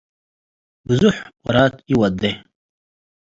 ብዞሕ ወራት ኢወዴ ።